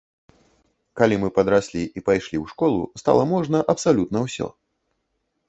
Калі мы падраслі і пайшлі ў школу, стала можна абсалютна ўсё.